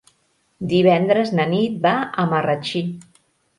Divendres na Nit va a Marratxí.